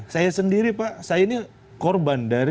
saya sendiri pak saya ini korban dari